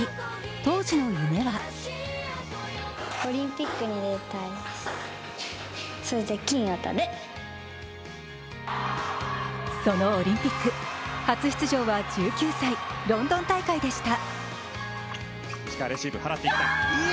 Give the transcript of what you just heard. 当時の夢はそのオリンピック初出場は１９歳、ロンドン大会でした。